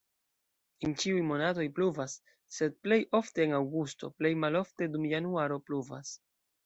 En ĉiuj monatoj pluvas, sed plej ofte en aŭgusto, plej malofte dum januaro pluvas.